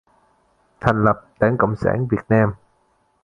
Thành lập Đảng Cộng sản Việt Nam